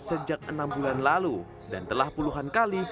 sejak enam bulan lalu dan telah puluhan kali